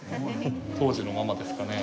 当時のままですかね？